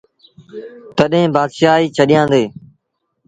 تڏهيݩ بآتشآهيٚ ڇڏيآندي۔